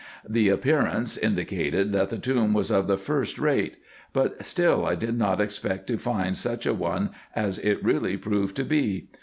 The appearance indicated, that the tomb was of the first rate : but still I did not expect to find such a one as it really proved to be.